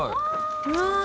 うわ！